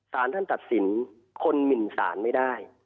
สารท่านตัดสินคนหมินสารไม่ได้